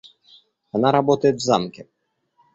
Она работает в Замке.